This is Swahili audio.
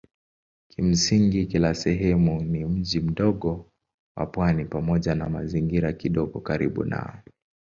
Kimsingi kila sehemu ni mji mdogo wa pwani pamoja na mazingira kidogo karibu nao.